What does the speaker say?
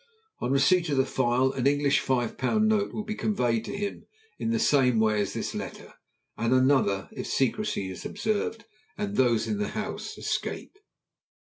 On receipt of the file an English five pound note will be conveyed to him in the same way as this letter, and another if secrecy is observed and those in the house escape."